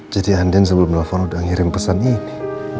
jadi andien sebelum telfon udah ngirim pesan ini